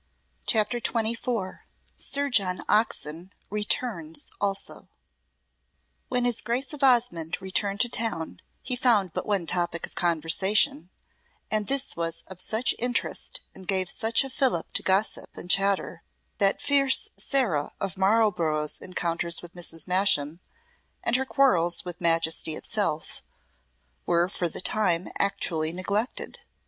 CHAPTER XXIV Sir John Oxon Returns Also When his Grace of Osmonde returned to town he found but one topic of conversation, and this was of such interest and gave such a fillip to gossip and chatter that fierce Sarah of Marlborough's encounters with Mrs. Masham, and her quarrels with Majesty itself, were for the time actually neglected.